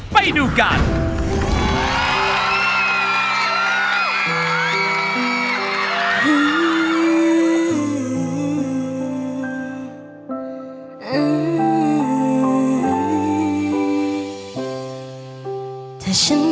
ไปดูกัน